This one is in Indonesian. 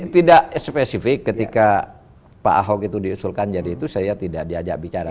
tidak spesifik ketika pak ahok itu diusulkan jadi itu saya tidak diajak bicara